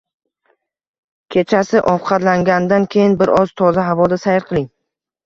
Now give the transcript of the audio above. Kechasi ovqatlangandan keyin bir oz toza havoda sayr qiling.